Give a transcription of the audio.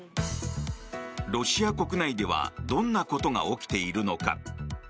ロシア国内ではどんなことが起きているのか。